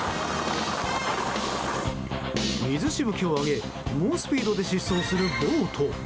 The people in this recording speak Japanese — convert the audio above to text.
水しぶきを上げ猛スピードで疾走するボート。